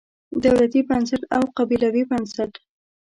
دولتي بنسټ او قبیلوي بنسټ.